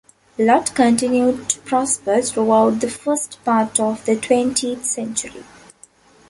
Lott continued to prosper throughout the first part of the twentieth century.